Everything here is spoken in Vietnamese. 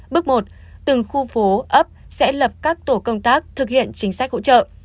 bước một từng khu phố ấp sẽ lập các tổ công tác thực hiện chính sách hỗ trợ